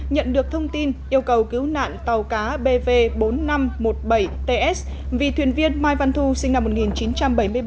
nhận được thông tin yêu cầu cứu nạn tàu cá bv bốn nghìn năm trăm một mươi bảy ts vì thuyền viên mai văn thu sinh năm một nghìn chín trăm bảy mươi ba